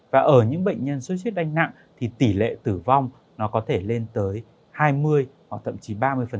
và ở những bệnh nhân sốt huyết đanh nặng thì tỷ lệ tử vong nó có thể lên tới hai mươi hoặc thậm chí ba mươi